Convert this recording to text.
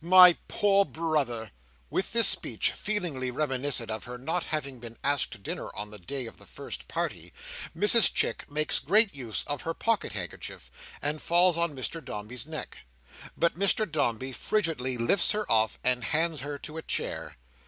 My poor brother!" With this speech feelingly reminiscent of her not having been asked to dinner on the day of the first party, Mrs Chick makes great use of her pocket handkerchief, and falls on Mr Dombey's neck. But Mr Dombey frigidly lifts her off, and hands her to a chair.